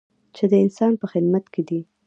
چې د انسان په خدمت کې دی.